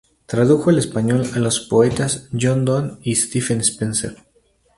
Tradujo al español a los poetas John Donne y Stephen Spender.